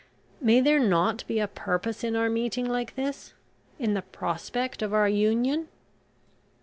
May there not be a purpose in our meeting like this in the prospect of our union?